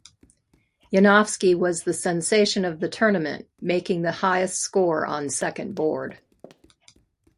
Yanofsky was the sensation of the tournament, making the highest score on second board.